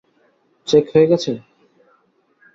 Check হয়ে গেছে?